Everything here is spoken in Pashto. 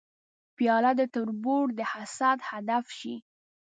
پیاله د تربور د حسد هدف شي.